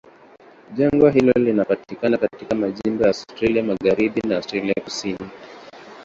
Jangwa hilo linapatikana katika majimbo ya Australia Magharibi na Australia Kusini.